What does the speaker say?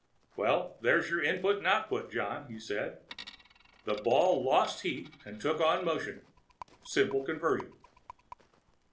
"Well, there's your input and output, John," he said. "The ball lost heat and took on motion. Simple conversion."